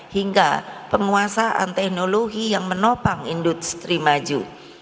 hingga penguasaan teknologi yang menopang industri maju